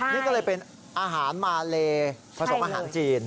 นี่ก็เลยเป็นอาหารมาเลผสมอาหารจีน